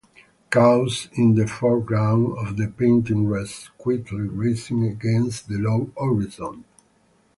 Cows in the foreground of the painting rest quietly grazing against the low horizon.